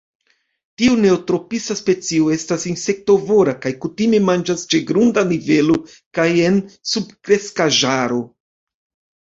Tiu neotropisa specio estas insektovora kaj kutime manĝas ĉe grunda nivelo kaj en subkreskaĵaro.